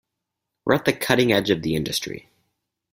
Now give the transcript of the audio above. We're at the cutting edge of the industry.